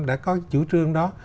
đã có chủ trương đó